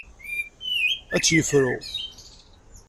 Ad tt-yefru.